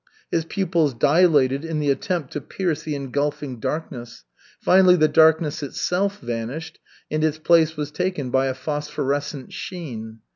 His pupils dilated in the attempt to pierce the engulfing darkness. Finally, the darkness itself vanished and its place was taken by a phosphorescent sheen.